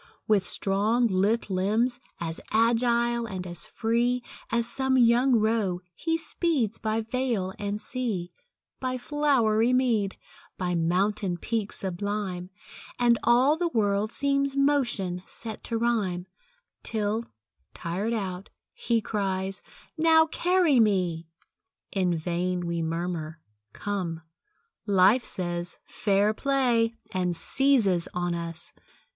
With strong, lithe limbs, as agile and as free, As some young roe, he speeds by vale and sea, By flowery mead, by mountain peak sublime, And all the world seems motion set to rhyme, Till, tired out, he cries, "Now carry me!" In vain we murmur; "Come," Life says, "Fair play!" And seizes on us.